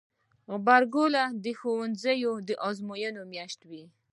غبرګولی د ښوونځیو د ازموینو میاشت وي.